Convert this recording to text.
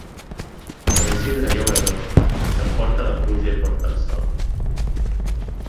Sant Isidre llaurador s'emporta la pluja i porta el sol.